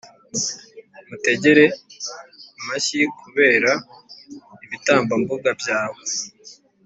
mutegere amashyi kubera ibitambambuga byawe,